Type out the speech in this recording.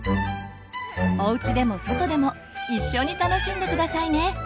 おうちでも外でも一緒に楽しんで下さいね。